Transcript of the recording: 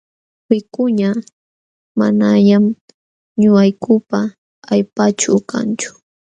Wikuña manañam ñuqaykupa allpaaćhu kanchu.